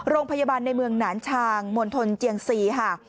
โรงพยาบาลในเมืองหนานชางมณฑลเจียงซีค่ะ